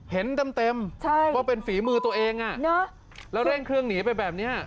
เห็นเต็มว่าเป็นฝีมือตัวเองแล้วเร่งเครื่องหนีไปแบบนี้